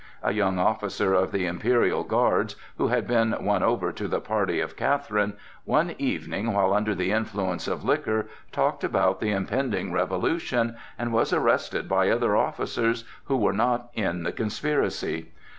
A young officer of the imperial guards, who had been won over to the party of Catherine, one evening while under the influence of liquor, talked about the impending revolution and was arrested by other officers who were not in the conspiracy.